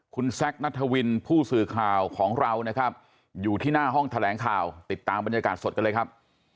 คุณแซคนัทวินผู้สื่อข่าวของเรานะครับอยู่ที่หน้าห้องแถลงข่าวติดตามบรรยากาศสดกันเลยครับ